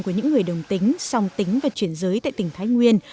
của những người đồng tính song tính và chuyển giới tại tỉnh thái nguyên